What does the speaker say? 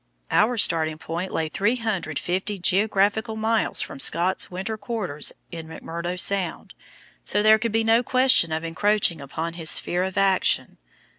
Our starting point lay 350 geographical miles from Scott's winter quarters in McMurdo Sound, so there could be no question of encroaching upon his sphere of action.